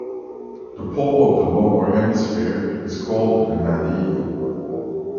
The pole of the lower hemisphere is called the nadir.